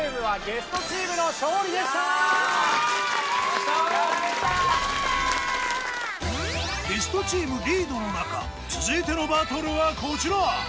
ゲストチームリードの中続いてのバトルはこちら。